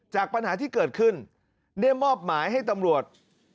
ปัญหาที่เกิดขึ้นได้มอบหมายให้ตำรวจ